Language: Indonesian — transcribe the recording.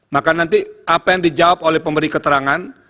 maka nanti apa yang dijawab oleh pemberi keterangan